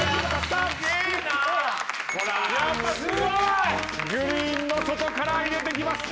やっぱすごい！グリーンの外から入れてきました。